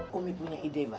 komi punya ide mbah